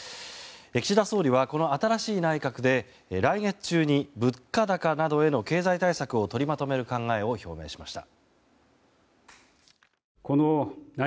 岸田総理は、この新しい内閣で来月中に物価高などへの経済対策を取りまとめる考えを表明しました。